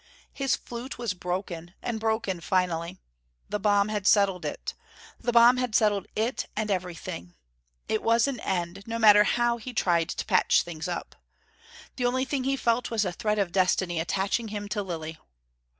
His flute was broken, and broken finally. The bomb had settled it. The bomb had settled it and everything. It was an end, no matter how he tried to patch things up. The only thing he felt was a thread of destiny attaching him to Lilly.